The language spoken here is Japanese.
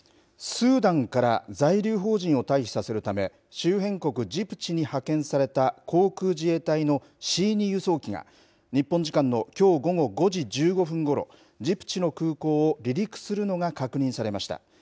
スーダンから在留邦人を退避させるため、周辺国ジブチに派遣された航空自衛隊のＣ２輸送機が、日本時間のきょう午後５時１５分ごろ、ジブチの空港を離陸するのが確認されました。